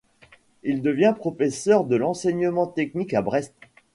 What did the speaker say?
Il devient professeur de l'enseignement technique à Brest.